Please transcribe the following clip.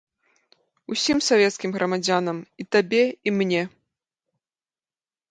Усім савецкім грамадзянам, і табе, і мне.